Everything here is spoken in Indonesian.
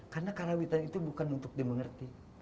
karena karawitan itu bukan untuk dimengerti